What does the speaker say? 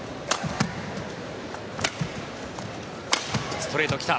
ストレート、来た。